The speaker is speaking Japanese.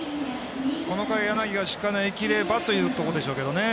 この回、柳がしっかり投げきればというところでしょうけどね。